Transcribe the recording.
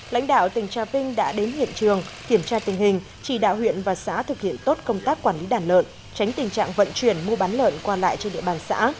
lãnh đạo tỉnh trà vinh đã đến hiện trường kiểm tra tình hình chỉ đạo huyện và xã thực hiện tốt công tác quản lý đàn lợn tránh tình trạng vận chuyển mua bán lợn qua lại trên địa bàn xã